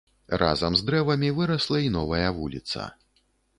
Разам з дрэвамі вырасла і новая вуліца.